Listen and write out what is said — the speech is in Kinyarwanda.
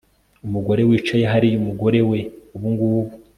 umugore wicaye hariya umugore we ubungubu